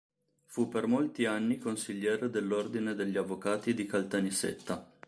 Fu per molti anni consigliere dell'ordine degli avvocati di Caltanissetta.